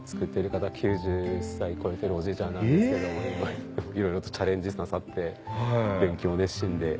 超えてるおじいちゃんなんですけどもいろいろとチャレンジなさって勉強熱心で。